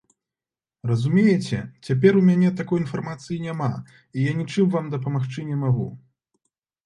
Разумееце, цяпер у мяне такой інфармацыі няма, і я нічым вам дапамагчы не магу.